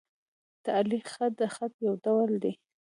تعلیق خط؛ د خط یو ډول دﺉ.